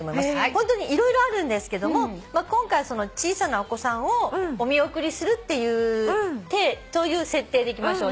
ホントに色々あるんですけども今回は小さなお子さんをお見送りするっていう設定でいきましょう。